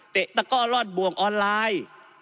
ตะก้อรอดบ่วงออนไลน์